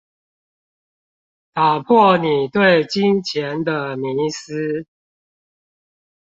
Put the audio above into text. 打破你對金錢的迷思